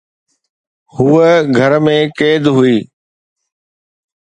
هوءَ گهر ۾ قيد هئي